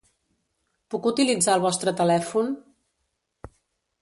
Puc utilitzar el vostre telèfon?